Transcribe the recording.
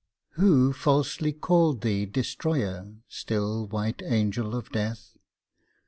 Who falsely called thee destroyer, still white Angel of Death?